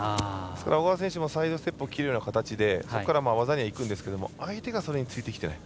小川選手もサイドステップを切るような形で技にいくんですけど相手がついてきていない。